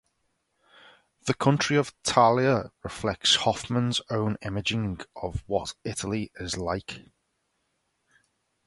The country of Talia reflects Hoffman's own imagining of what Italy is like.